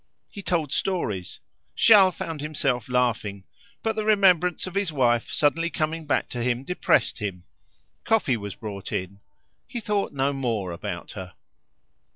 He told stories. Charles found himself laughing, but the remembrance of his wife suddenly coming back to him depressed him. Coffee was brought in; he thought no more about her.